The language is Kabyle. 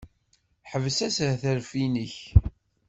Ḥbes ashetref-nnek!